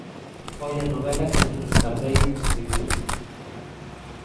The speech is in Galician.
Foi a novela que menos tardei en escribir.